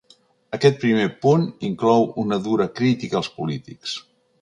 Aquest primer punt inclou una dura crítica als polítics.